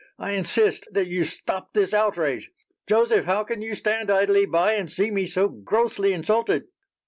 "I insist that you stop this outrage. Joseph, how can you stand idly by and see me so grossly insulted?"